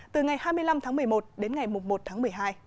từ ngày hai mươi năm tháng một mươi một đến ngày một mươi một tháng một mươi hai